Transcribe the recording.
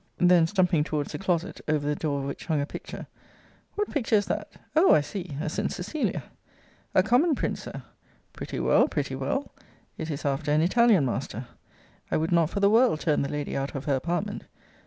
Then stumping towards the closet, over the door of which hung a picture What picture is that Oh! I see; a St. Cecilia! A common print, Sir! Pretty well, pretty well! It is after an Italian master. I would not for the world turn the lady out of her apartment.